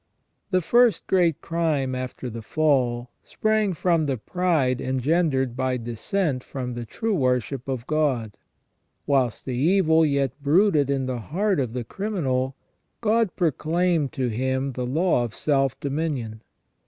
The first great crime after the fall sprang from the pride engen dered by dissent from the true worship of God. Whilst the evil yet brooded in the heart of the criminal, God proclaimed to him the law of self dominion.